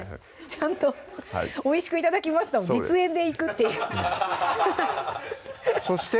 ちゃんと「おいしく頂きました」を実演でいくっていうそして？